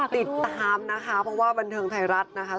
ติดตามนะคะเพราะว่าบันเทิงไทยรัฐนะคะ